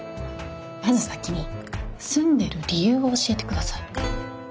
まず先に住んでる理由を教えてください。